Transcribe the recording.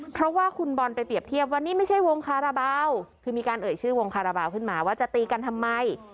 เพราะว่าคุณบอลไปเรียบเทียบว่านี่ไม่ใช่วงคาราบาลคือมีการเอ่ยชื่อวงคาราบาลขึ้นมาว่าจะตีกันทำไม